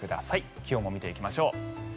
気温も見ていきましょう。